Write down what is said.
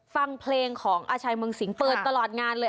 ฟังเพลงของอาชัยเมืองสิงห์เปิดตลอดงานเลย